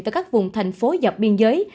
tại các vùng thành phố dọc biên giới